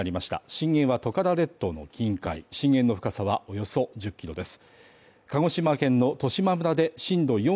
震源はトカラ列島の近海震源の深さはおよそ１０キロです。